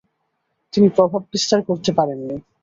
তিনি প্রভাববিস্তার করতে পারেননি।